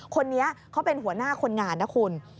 คนนี้เขาเป็นหัวหน้าคนงานนะคุณ